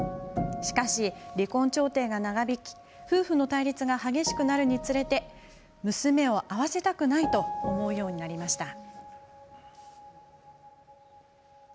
しかし、離婚調停が長引き夫婦の対立が激しくなるにつれて娘を会わせたくないと思うようになりました。